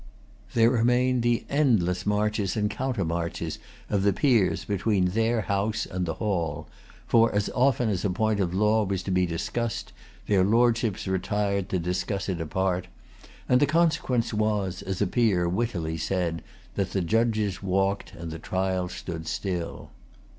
There remained the endless marches and countermarches of the Peers between their House and the hall: for as often as a point of law was to be discussed, their Lordships retired to discuss it apart; and the consequence was, as a Peer wittily said, that the Judges walked and the trial stood still.